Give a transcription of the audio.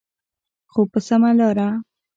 خو په سمه لاره.